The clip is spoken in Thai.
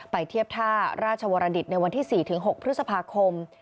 เทียบท่าราชวรดิตในวันที่๔๖พฤษภาคม